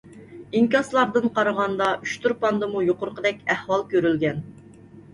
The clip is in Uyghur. ئىنكاسلاردىن قارىغاندا ئۇچتۇرپاندىمۇ يۇقىرىقىدەك ئەھۋال كۆرۈلگەن.